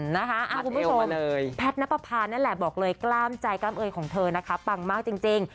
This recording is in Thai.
คุณผู้ชมแพทย์นับประพานั่นแหละบอกเลยกล้ามใจกล้ามเอยของเธอนะคะปังมากจริง